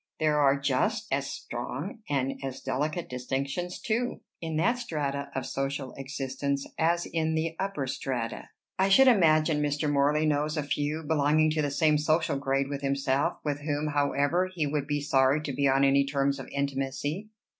There are just as strong and as delicate distinctions too, in that stratum of social existence as in the upper strata. I should imagine Mr. Morley knows a few, belonging to the same social grade with himself, with whom, however, he would be sorry to be on any terms of intimacy."